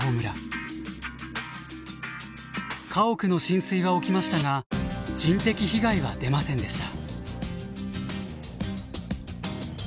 家屋の浸水は起きましたが人的被害は出ませんでした。